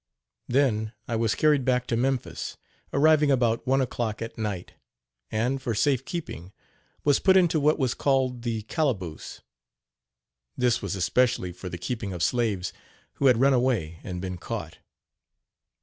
Then I was carried back to Memphis, arriving about one o'clock at night, and, for safe keeping, was put into what was called the calaboose. This was especially for the keeping of slaves who had run away and been caught.